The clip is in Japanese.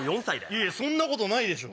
いやいやそんなことないでしょ。